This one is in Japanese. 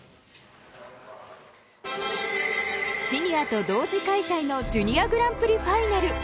シニアと同時開催のジュニアグランプリファイナル。